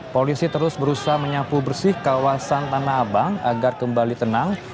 polisi terus berusaha menyapu bersih kawasan tanah abang agar kembali tenang